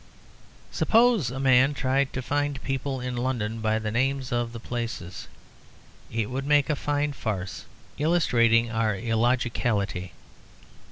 Suppose a man tried to find people in London by the names of the places. It would make a fine farce, illustrating our illogicality.